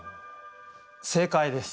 正解です。